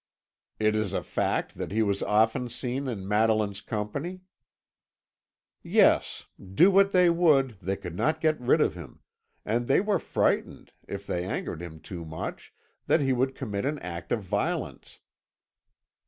"It is a fact that he was often seen in Madeline's company?" "Yes; do what they would, they could not get rid of him; and they were frightened, if they angered him too much, that he would commit an act of violence."